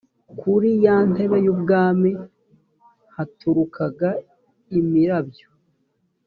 kuri ya ntebe y ubwami haturukaga imirabyo